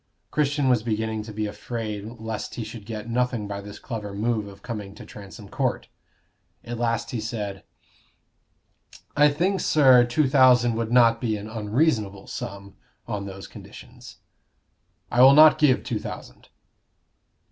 Christian was beginning to be afraid lest he should get nothing by this clever move of coming to Transome Court. At last he said "I think, sir, two thousand would not be an unreasonable sum, on those conditions." "I will not give two thousand."